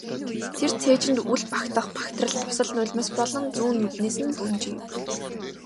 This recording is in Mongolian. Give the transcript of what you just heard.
Тэр цээжинд үл багтах багтрал дусал нулимс болон зүүн нүднээс нь бөнжийв.